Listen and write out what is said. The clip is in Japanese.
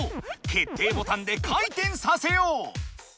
決定ボタンで回転させよう！